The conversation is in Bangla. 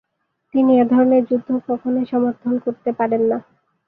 তিনি এ ধরনের যুদ্ধ কখনোই সমর্থন করতে পারেন না।